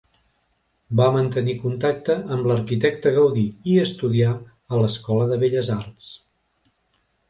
Va mantenir contacte amb l'arquitecte Gaudí i estudià a l'escola de Belles Arts.